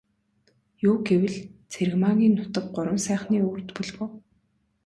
Юу гэвэл, Цэрмаагийн нутаг Гурван сайхны өвөрт бөлгөө.